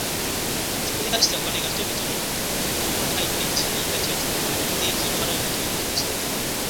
そこで大したお金が人々のふところに入って、人民たちはとどこおりなく税金を払うことが出来ました。